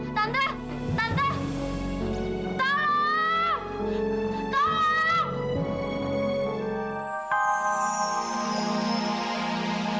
tante tante bangun tante